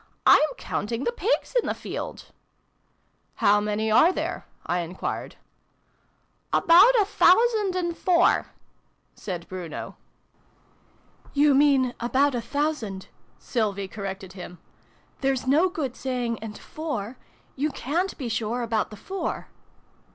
"I'm counting the Pigs in the held !"" How many are there ?" I enquired. " About a thousand and four," said Bruno. 78 SYLVIE AND BRUNO CONCLUDED. " You mean ' about a thousand,' ' Sylvie corrected him. " There's no good saying { and four ': you cant be sure about the four